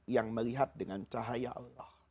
yang melihat dengan cahaya allah